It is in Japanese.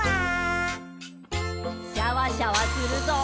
シャワシャワするぞ。